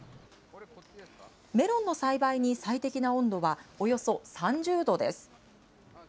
メロンの栽培に最適な温度はおよそ３０度です。